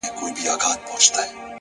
• چي دي واچوي قاضي غاړي ته پړی ,